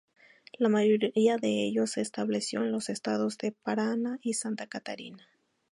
La mayoría de ellos se estableció en los estados de Paraná y Santa Catarina.